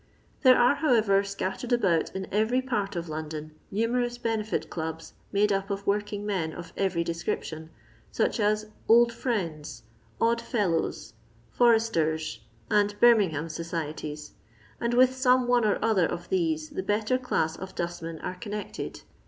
There are, however, scattered about in every part of London numerous benefit clubs mode up of working men of every description, such as Old Friends, Odd Fellows, Foresters, and Birmingham societies, and with tome one or other of these the better ckss of dustmen are connected.